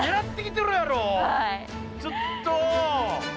ちょっと。